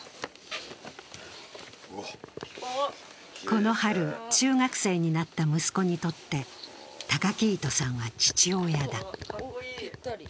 この春、中学生になった息子にとって崇来人さんは父親だ。